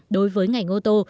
đối với ngành ô tô